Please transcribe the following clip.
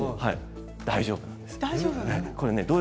大丈夫なんです。